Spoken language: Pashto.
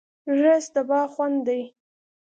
رس د باغ خوند دی